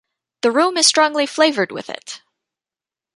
The room is strongly flavoured with it.